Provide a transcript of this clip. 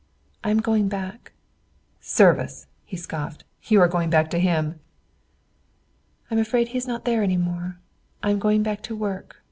I am going back." "Service!" he scoffed. "You are going back to him!" "I'm afraid he is not there any more. I am going back to work.